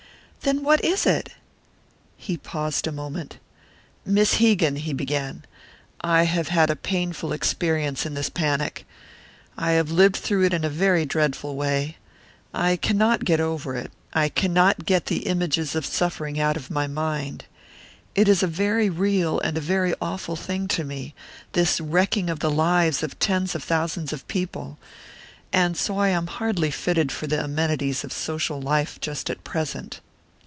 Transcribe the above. "Then what is it?" He paused a moment. "Miss Hegan," he began, "I have had a painful experience in this panic. I have lived through it in a very dreadful way. I cannot get over it I cannot get the images of suffering out of my mind. It is a very real and a very awful thing to me this wrecking of the lives of tens of thousands of people. And so I am hardly fitted for the amenities of social life just at present."